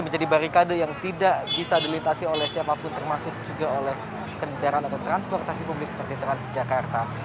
menjadi barikade yang tidak bisa dilintasi oleh siapapun termasuk juga oleh kendaraan atau transportasi publik seperti transjakarta